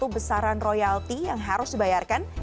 besaran royalti yang harus dibayarkan